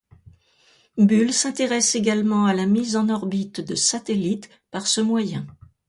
Bull s'intéresse également à la mise en orbite de satellite par ce moyen.